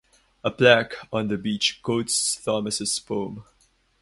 A plaque on the bench quotes Thomas's poem.